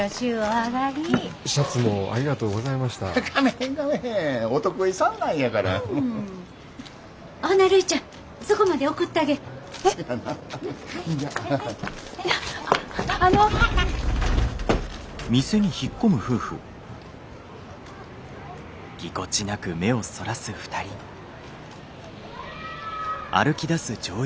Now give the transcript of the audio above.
いやあっあの。